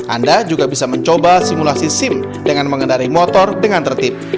anda juga bisa mencoba simulasi sim dengan mengendari motor dengan tertib